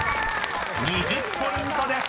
２０ポイントです］